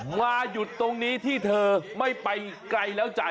มาหยุดตรงนี้ที่เธอไม่ไปไกลแล้วใจ